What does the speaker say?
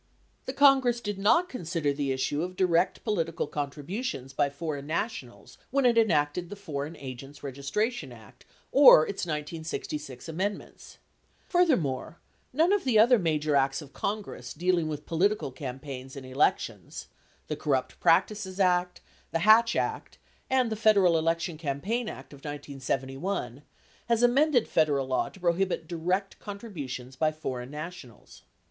The Congress did not consider the issue of direct political contribu tions by foreign nationals when it enacted the Foreign Agents Registra tion Act or its 1966 amendments. Furthermore, none of the other major acts of Congress dealing with political campaigns and elec tions — the Corrupt Practices Act, the Hatch Act and the Federal Election Campaign Act of 1971 — has amended Federal law to prohibit direct contributions by foreign nationals.